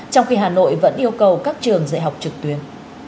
trong khi hà nội vẫn yêu cầu các trường dạy học trực tuyến